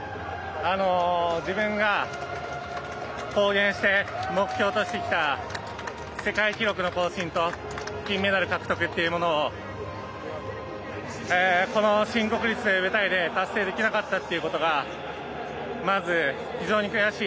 自分が公言して目標としてきた世界記録の更新と金メダル獲得というものをこの新国立という舞台で達成できなかったということがまず非常に悔しい。